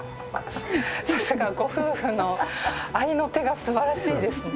さすがご夫婦の合いの手がすばらしいですね。